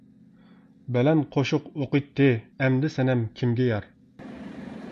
بەلەن قوشۇق ئوقۇيتتى، ئەمدى سەنەم كىمگە يار؟ .